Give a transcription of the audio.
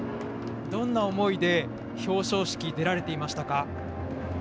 どんな思いで表彰式出られてましたか。